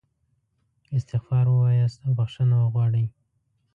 استغفار ووایاست او بخښنه وغواړئ.